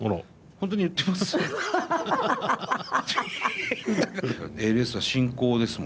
本当に言ってます？